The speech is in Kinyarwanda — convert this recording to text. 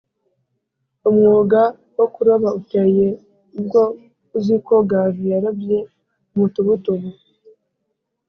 umwuga wo kuroba uteye ubwo uziko gaju yarobye umutubutubu